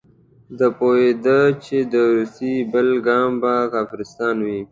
ده پوهېده چې د روسیې بل ګام به کافرستان وي.